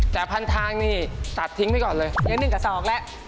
แต่พันทางนี่ตัดทิ้งไปก่อนเลย